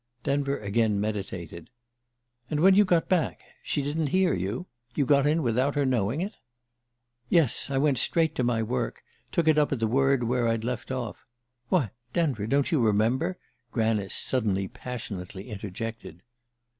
Denver again meditated. "And when you got back she didn't hear you? You got in without her knowing it?" "Yes. I went straight to my work took it up at the word where I'd left off why, Denver, don't you remember?" Granice suddenly, passionately interjected.